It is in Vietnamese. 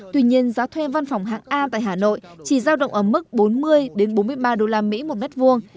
tuy nhiên giá thuê văn phòng hạng a tại hà nội chỉ giao động ở mức bốn mươi bốn mươi ba đô la mỹ một mét vuông